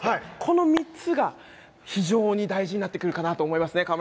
この３つが非常に大事になってくるかなと思います。